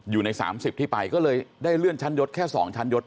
อยู่ใน๓๐ที่ไปก็เลยได้เลื่อนชั้นยศแค่๒ชั้นยศ